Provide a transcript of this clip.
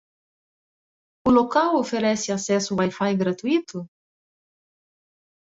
O local oferece acesso Wi-Fi gratuito?